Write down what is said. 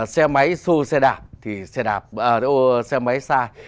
xe máy xô xe đạp thì xe máy xài